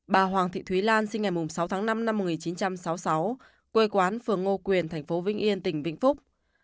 bà hoàng thị thúy lan sinh ngày sáu tháng năm năm một nghìn chín trăm sáu mươi sáu quê quán phường ngô quyền thành phố vinh yên tỉnh vĩnh phúc